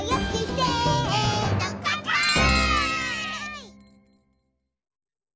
「せーのかんぱーい！！」